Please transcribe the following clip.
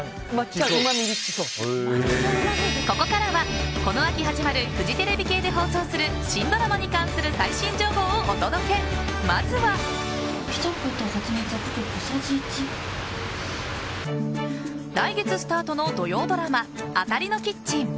ここからは、この秋から始まるフジテレビの新ドラマに関するケチャップとハチミツが来月スタートの土曜ドラマ「あたりのキッチン！」。